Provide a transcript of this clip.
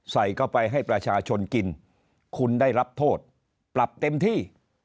ใส่เข้าไปให้ประชาชนกินคุณได้รับโทษปรับเต็มที่